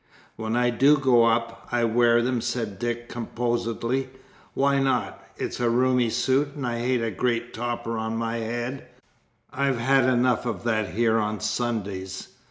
"When I do go up, I wear them," said Dick composedly. "Why not? It's a roomy suit, and I hate a great topper on my head; I've had enough of that here on Sundays.